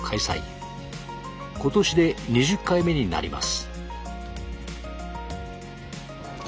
今年で２０回目になります。